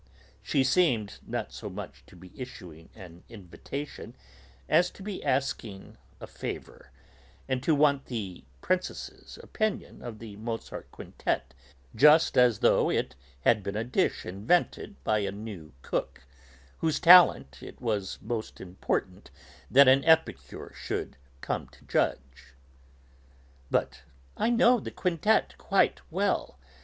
She seemed not so much to be issuing an invitation as to be asking favour, and to want the Princess's opinion of the Mozart quintet just though it had been a dish invented by a new cook, whose talent it was most important that an epicure should come to judge. "But I know that quintet quite well.